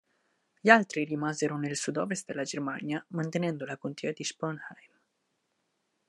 Gli altri rimasero nel sud-ovest della Germania mantenendo la Contea di Sponheim.